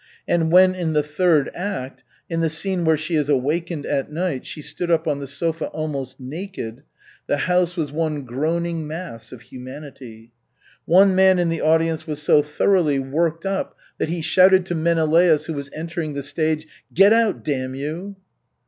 And when, in the third act, in the scene where she is awakened at night, she stood up on the sofa almost naked, the house was one groaning mass of humanity. One man in the audience was so thoroughly worked up that he shouted to Menelaus, who was entering the stage, "Get out, damn you!"